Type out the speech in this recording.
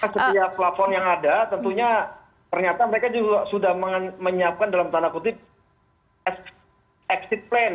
setiap plafon yang ada tentunya ternyata mereka juga sudah menyiapkan dalam tanda kutip exit plan